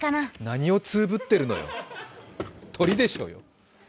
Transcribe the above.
何を通ぶってるのよ、鳥でしょうよ。